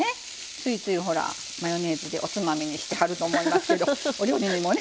ついついマヨネーズでおつまみにしてはると思いますけどお料理にもね。